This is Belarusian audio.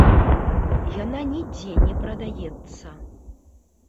Яна нідзе не прадаецца.